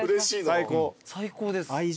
最高です。